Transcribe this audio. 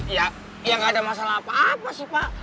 iya iya gak ada masalah apa apa sih pak